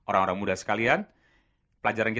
dan aku tak biar jangka